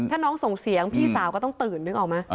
ถ้าน้องส่งเสียงพี่สาวก็ต้องตื่นนึกออกไหม